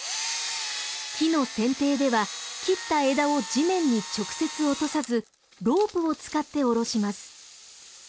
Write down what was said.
木の剪定では切った枝を地面に直接落とさずロープを使って下ろします。